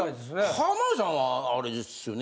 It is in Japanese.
浜田さんはあれですよね